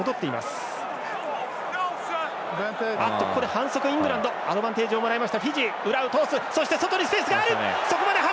反則、イングランドアドバンテージをもらいましたフィジー。